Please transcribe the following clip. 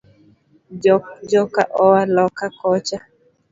Joka oa loka kocha.